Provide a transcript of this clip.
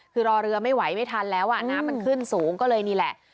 คือรอเรือไม่ไหวไม่ทันแล้วอ่ะน้ำมันขึ้นสูงก็เลยนี่แหละ